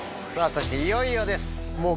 そしていよいよです。